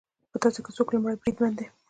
په تاسو کې څوک لومړی بریدمن دی